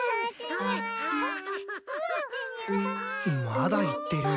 まだ言ってる。